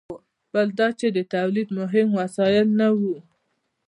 بل دا چې د تولید مهم وسایل نه وو.